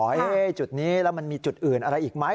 จุดนี้แล้วมันมีจุดอื่นอะไรอีกไหม